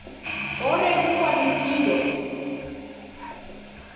Orebukwa ni kindo.